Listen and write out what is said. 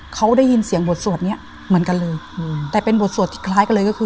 เขาได้ยินเสียงบวชสวดนี้เหมือนกันเลยแต่เป็นบวชสวดที่คล้ายกันเลย